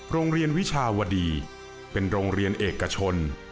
โรงเรียนวิชาวดีเป็นโรงเรียนเอกชน